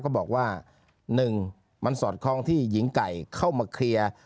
บอกว่า๑มันสอดคล้องที่หญิงไก่เข้ามาเคลียร์